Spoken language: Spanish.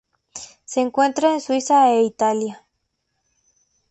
Se encuentra en Suiza e Italia.